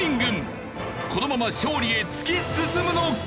このまま勝利へ突き進むのか！？